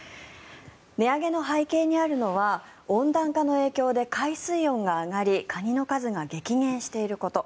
値上げの背景にあるのは温暖化の影響で海水温が上がりカニの数が激減していること。